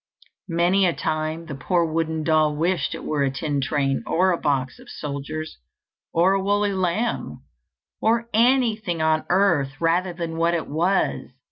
Many a time the poor wooden doll wished it were a tin train, or a box of soldiers, or a woolly lamb, or anything on earth rather than what it was.